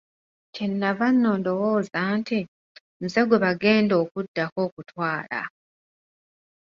Kye nnava nno ndowooza nti, Nze gwe bagenda okuddako okutwala.